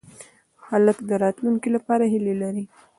هلک د راتلونکې لپاره هیلې لري.